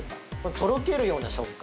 とろけるような食感。